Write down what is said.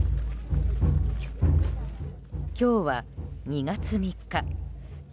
今日は、２月３日。